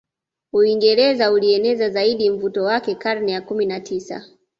Uingereza ulieneza zaidi mvuto wake karne ya Kumi na tisa